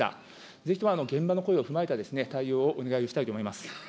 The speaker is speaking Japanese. ぜひとも現場の声を踏まえた対応をお願いをしたいと思います。